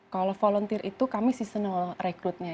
kalau volunteer itu kami seasonal rekrutnya